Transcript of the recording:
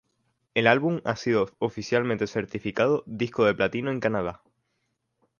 El álbum ha sido oficialmente certificado disco de platino en Canadá.